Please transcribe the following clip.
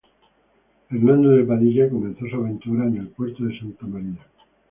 Hernando de Padilla comenzó sus aventuras en El Puerto de Santa María.